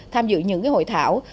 tham dự những hội thảo